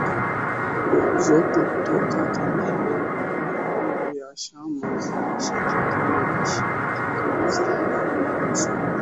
zote kutoka makao makuu ya chama cha kikomunisti huko Moscow